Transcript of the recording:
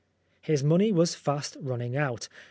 His money was fast running out.